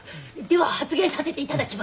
では発言させていただきます。